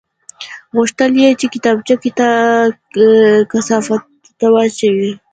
غوښتل یې چې کتابچه کثافاتو ته واچوي